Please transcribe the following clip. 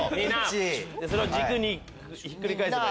それを軸にひっくり返せば。